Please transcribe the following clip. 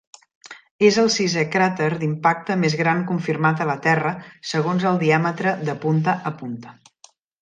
És el sisè cràter d'impacte més gran confirmat a la Terra segons el diàmetre de punta a punta.